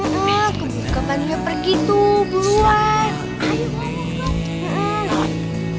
kebukaan dia pergi tuh buluan